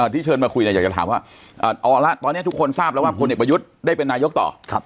ที่เชิญมาคุยอยากจะถามว่าเอาละตอนนี้ทุกคนทราบแล้วว่าพลเอกประยุทธ์ได้เป็นนายกต่อ